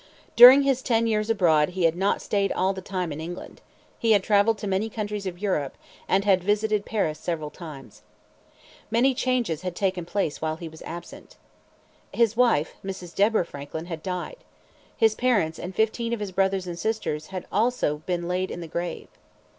During his ten years abroad he had not stayed all the time in England. He had traveled in many countries of Europe, and had visited Paris several times. Many changes had taken place while he was absent. His wife, Mrs. Deborah Franklin, had died. His parents and fifteen of his brothers and sisters had also been laid in the grave.